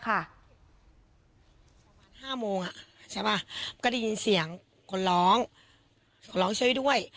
ห้าโมงอ่ะใช่ป่ะก็ได้ยินเสียงคนร้องคนร้องช่วยด้วย